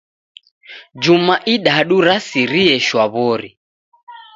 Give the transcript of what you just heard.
Juma idadu rasirie shwaw'ori.